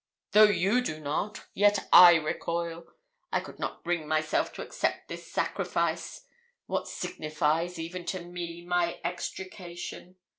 Though you do not, yet I recoil. I could not bring myself to accept this sacrifice. What signifies, even to me, my extrication?